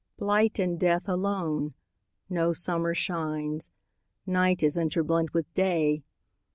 Blight and death alone.No summer shines. Night is interblent with Day.